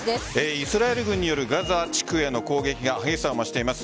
イスラエル軍によるガザ地区への攻撃が激しさを増しています。